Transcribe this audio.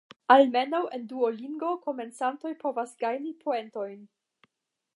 Almenaŭ en Duolingo, komencantoj povas gajni poentojn.